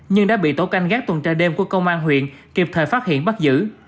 nhưng đã bị tổ canh gác tuần tra đêm của công an huyện kịp thời phát hiện bắt giữ